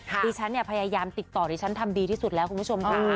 ดิฉันเนี่ยพยายามติดต่อดิฉันทำดีที่สุดแล้วคุณผู้ชมค่ะ